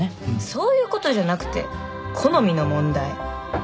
そういうことじゃなくて好みの問題。